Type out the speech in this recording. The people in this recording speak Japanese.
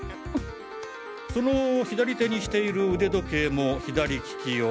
その左手にしている腕時計も左利き用。